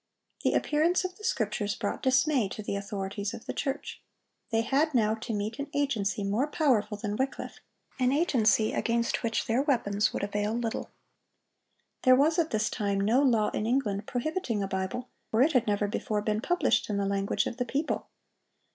The appearance of the Scriptures brought dismay to the authorities of the church. They had now to meet an agency more powerful than Wycliffe,—an agency against which their weapons would avail little. There was at this time no law in England prohibiting the Bible, for it had never before been published in the language of the people.